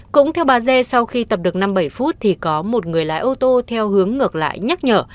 cũng theo bà dê sau khi tập được năm mươi bảy phút thì có một người lái ô tô theo hướng ngược lại nhắc nhở